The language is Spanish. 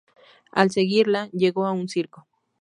Al seguirla, llega a un circo.